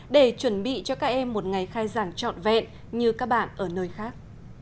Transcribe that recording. để chuẩn bị cho các em một ngày khai giảng trọn vẹn như các bạn ở nơi khác